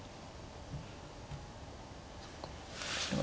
そっか。